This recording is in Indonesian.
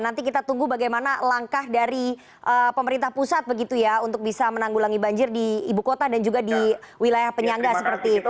nanti kita tunggu bagaimana langkah dari pemerintah pusat begitu ya untuk bisa menanggulangi banjir di ibu kota dan juga di wilayah penyangga seperti itu